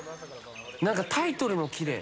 何か、タイトルもきれい。